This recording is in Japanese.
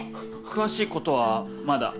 詳しいことはまだ。